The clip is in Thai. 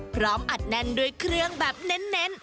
อัดแน่นด้วยเครื่องแบบเน้น